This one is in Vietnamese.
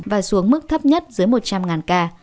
và xuống mức thấp nhất dưới một trăm linh ca